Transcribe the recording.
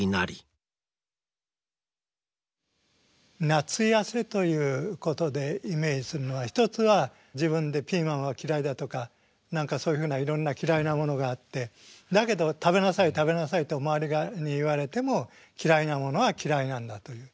夏痩せということでイメージするのは一つは自分でピーマンは嫌いだとか何かそういうふうないろんな嫌いなものがあってだけど食べなさい食べなさいと周りに言われても嫌いなものは嫌いなんだという。